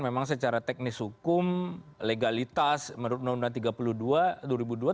memang secara teknis hukum legalitas menurut undang undang tiga puluh dua